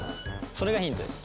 それがヒントです。